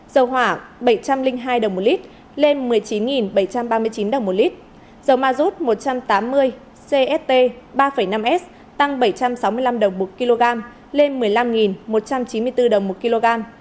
dầu hỏa bảy trăm linh hai đồng một lít lên một mươi chín bảy trăm ba mươi chín đồng một lít dầu ma rút một trăm tám mươi cst ba năm s tăng bảy trăm sáu mươi năm đồng một kg lên một mươi năm một trăm chín mươi bốn đồng một kg